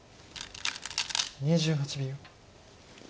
２８秒。